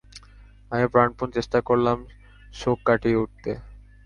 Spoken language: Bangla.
আমি প্রাণপণ চেষ্টা করলাম শোক কাটিয়ে উঠতে।